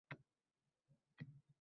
… Darichadan to’kilgan oydek.